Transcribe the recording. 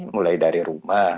mulai dari rumah